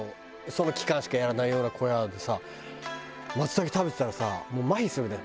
その期間しかやらないような小屋でさ松茸食べてたらさもうまひするね。